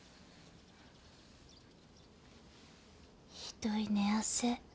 ひどい寝汗。